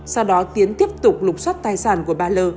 sau đó tiến tiếp tục lục xoát tài sản của bà l